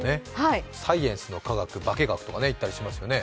サイエンスの科学、ばけがくとか云ったりしますね。